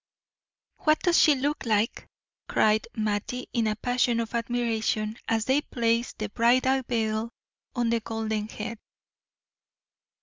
"What does she look like?" cried Mattie in a passion of admiration, as they placed the bridal veil on the golden head.